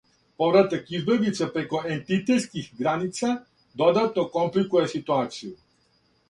Повратак избеглица преко ентитетских граница додатно компликује ситуацију.